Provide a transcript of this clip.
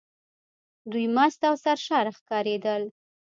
دوی مست او سرشاره ښکارېدل.